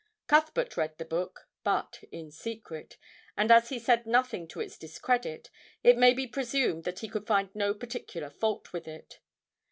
Cuthbert read the book, but in secret, and as he said nothing to its discredit, it may be presumed that he could find no particular fault with it.